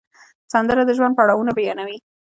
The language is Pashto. سندره د ژوند پړاوونه بیانوي